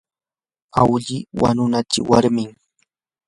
awlli wanunachi warmin.